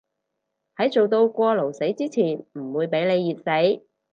喺做到過勞死之前唔會畀你熱死